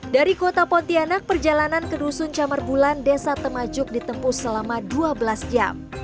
dari kota pontianak perjalanan ke dusun camar bulan desa temajuk ditempuh selama dua belas jam